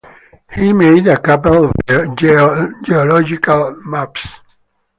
He made a couple of geological maps.